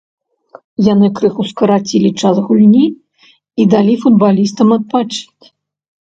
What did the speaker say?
Яны крыху скарацілі час гульні і далі футбалістам адпачыць.